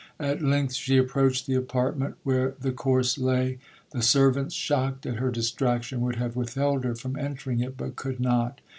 At length she approached the apartment where the corse lay. The servants, shocked at her distraction, would have withheld her from entering it, but could not.